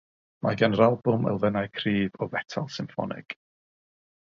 Mae gan yr albwm elfennau cryf o fetel symffonig.